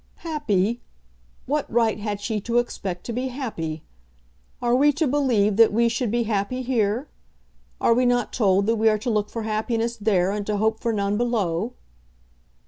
"Happy? What right had she to expect to be happy? Are we to believe that we should be happy here? Are we not told that we are to look for happiness there, and to hope for none below?"